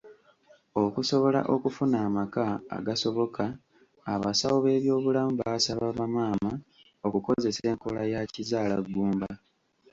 Okusobola okufuna amaka agasoboka abasawo b'ebyobulamu baasaba bamaama okukozesa enkola ya kizaalagumba.